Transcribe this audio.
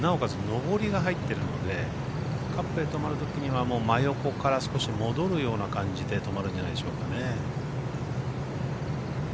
上りが入ってるのでカップに止まる時には真横から少し戻る形で止まるんじゃないでしょうかね。